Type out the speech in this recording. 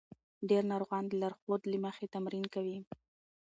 ډېر ناروغان د لارښود له مخې تمرین کوي.